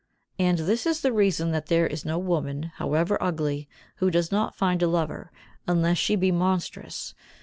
And this is the reason that there is no woman, however ugly, who does not find a lover, unless she be monstrous.